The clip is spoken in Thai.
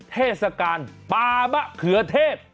เทศกาลปามะเขือเทพ